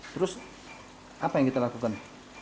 terus apa yang kita lakukan